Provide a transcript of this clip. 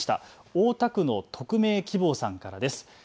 大田区の匿名希望さんからです。